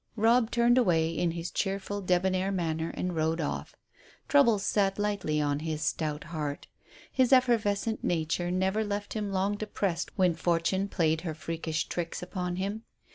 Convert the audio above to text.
Robb turned away in his cheerful, debonair manner and rode off. Troubles sat lightly on his stout heart. His effervescent nature never left him long depressed when Fortune played her freakish tricks upon him.